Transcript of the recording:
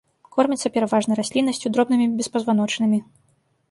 Кормяцца пераважна расліннасцю, дробнымі беспазваночнымі.